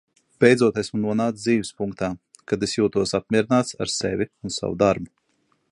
Beidzot esmu nonācis dzīves punktā, kad es jūtos apmierināts ar sevi un savu darbu.